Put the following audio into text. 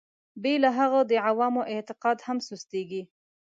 بې له هغه د عوامو اعتقاد هم سستېږي.